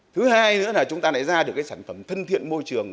thứ hai nữa là chúng ta đã ra được sản phẩm thân thiện môi trường